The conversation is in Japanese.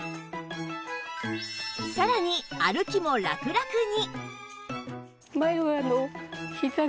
さらに歩きもラクラクに！